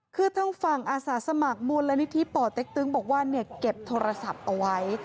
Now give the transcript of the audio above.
คือทางฝั่งอาสาสมัครมูลนิธิป่อเต็กตึงบอกว่าเนี่ยเก็บโทรศัพท์เอาไว้